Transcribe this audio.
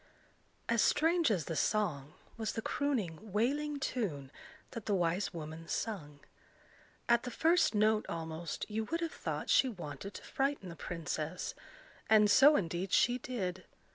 As strange as the song, was the crooning wailing tune that the wise woman sung. At the first note almost, you would have thought she wanted to frighten the princess; and so indeed she did.